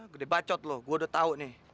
gede bacot lu gua udah tau nih